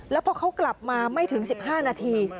แล้วพอเขากลับมาไม่ถึง๑๕นาที